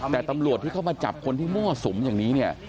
แต่ตำรวจที่เข้ามาจับคนที่มั่วสุมอย่างนี้เนี่ย